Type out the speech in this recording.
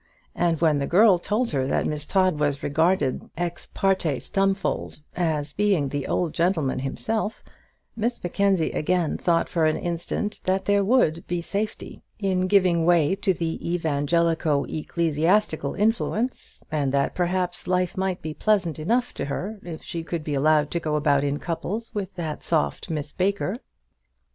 And when the girl told her that Miss Todd was regarded, ex parte Stumfold, as being the old gentleman himself, Miss Mackenzie again thought for an instant that there would be safety in giving way to the evangelico ecclesiastical influence, and that perhaps life might be pleasant enough to her if she could be allowed to go about in couples with that soft Miss Baker.